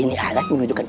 ini alat menunjukkan